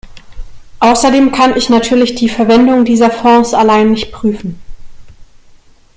Außerdem kann ich natürlich die Verwendung dieser Fonds allein nicht prüfen.